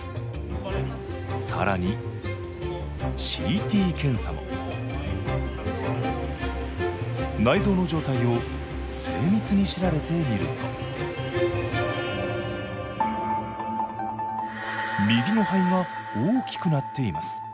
さらにＣＴ検査も内臓の状態を精密に調べてみると右の肺が大きくなっています。